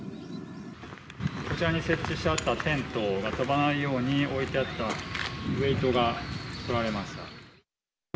こちらに設置してあったテントが飛ばないように置いてあったウエートがとられました。